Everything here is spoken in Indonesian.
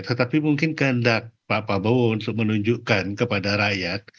tetapi mungkin kehendak pak prabowo untuk menunjukkan kepada rakyat